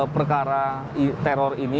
perkara teror ini